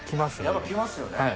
やっぱ来ますよね。